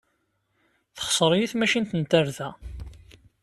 Texṣer-iyi tmacint n tarda.